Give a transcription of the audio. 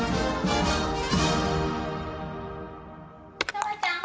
タマちゃん！